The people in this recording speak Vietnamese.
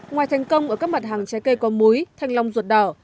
ngoài thành công ở các mặt hàng trái cây có múi thanh long ruột đỏ